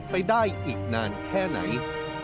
ไปได้อีกนานแค่ไหน